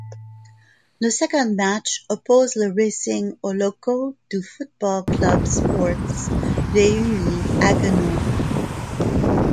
Le second match oppose le Racing aux locaux du Football Club Sports Réunis Haguenau.